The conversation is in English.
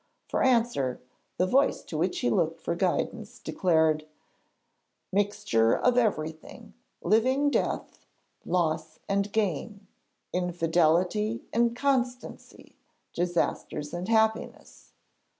For answer, the voice to which he looked for guidance, declared: 'Mixture of everything; living death; loss and gain; infidelity and constancy; disasters and happiness.'